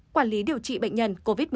quản lý điều trị bệnh nhân covid một mươi chín